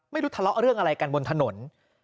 ไม่รู้ทะเลาะเรื่องอะไรกันบนถนน